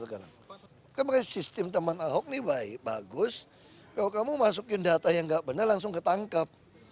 kan pakai sistem teman ahok ini baik bagus kalau kamu masukin data yang gak benar langsung ketangkap